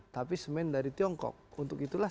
tapi semen dari tiongkok untuk itulah